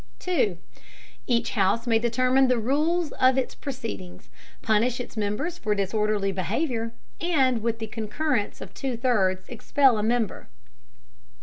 Each House may determine the Rules of its Proceedings, punish its Members for disorderly Behaviour, and, with the Concurrence of two thirds, expel a member.